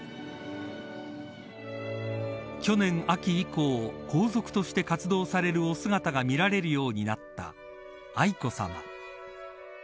去年秋以降、皇族として活動されるお姿が見られるようになった愛子さま。